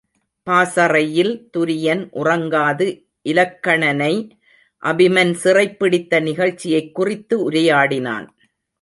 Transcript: பாசறையில் துரியன் உறங்காது இலக்கணனை அபிமன் சிறைப்பிடித்த நிகழ்ச்சியைக் குறித்து உரையாடினான்.